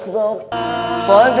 selamat malam pak ustadz